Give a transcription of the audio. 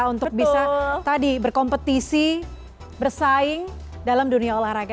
untuk bisa tadi berkompetisi bersaing dalam dunia olahraga